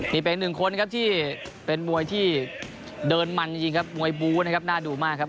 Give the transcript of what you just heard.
นี่เป็นหนึ่งคนครับที่เป็นมวยที่เดินมันจริงครับมวยบูนะครับน่าดูมากครับ